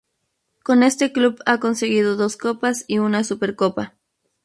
Con este club ha conseguido dos Copas y una Supercopa.